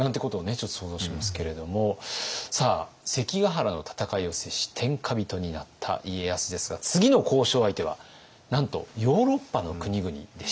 ちょっと想像しますけれどもさあ関ヶ原の戦いを制し天下人になった家康ですが次の交渉相手はなんとヨーロッパの国々でした。